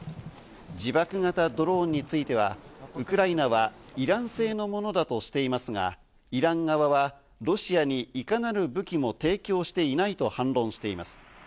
自爆型ドローンについては、ウクライナはイラン製のものだとしていますが、イラン側はロシアにいかなる武器も提供していないと反論しています。